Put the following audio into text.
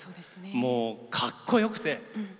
もうかっこよくて。